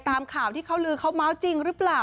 ตามข่าวที่เขาลือเขาเมาส์จริงหรือเปล่า